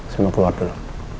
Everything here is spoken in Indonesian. semua keluar dulu